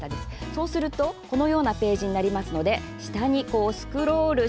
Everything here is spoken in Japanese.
そうするとこのようなページになりますので下にスクロールしていってみてください。